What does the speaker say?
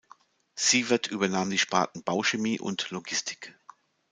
Sievert übernahm die Sparten Bauchemie und Logistik.